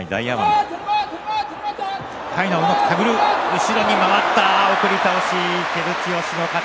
後ろに回って送り倒し照強の勝ち。